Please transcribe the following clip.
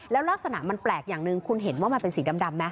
แล้วลักษณะมันแปลกอย่างหนึ่งคุณเห็นว่ามันเป็นสีดำไหม